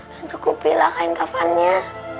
dan cukupilah kain kafannya